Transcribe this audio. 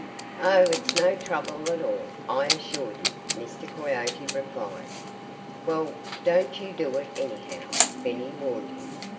"Oh, it's no trouble at all, I assure you," Mr. Coyote replied. "Well don't you do it, anyhow," Benny warned him.